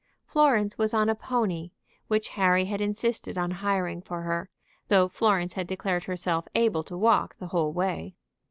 Florence was on a pony, which Harry had insisted on hiring for her, though Florence had declared herself able to walk the whole way.